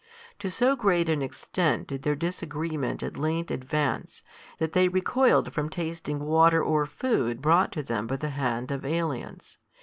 To so great an extent did their disagreement at length advance, that they recoiled from tasting water or food brought to them by the hand of aliens.